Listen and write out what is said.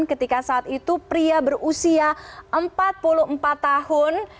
ketika saat itu pria berusia empat puluh empat tahun